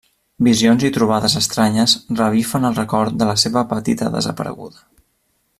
Visions i trobades estranyes revifen el record de la seva petita desapareguda.